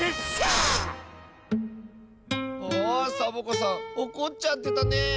あサボ子さんおこっちゃってたね。